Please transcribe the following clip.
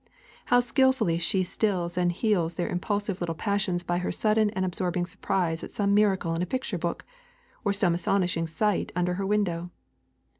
How skilfully she stills and heals their impulsive little passions by her sudden and absorbing surprise at some miracle in a picture book, or some astonishing sight under her window!